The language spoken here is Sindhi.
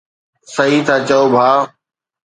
صحيح ٿا چئو ڀاءُ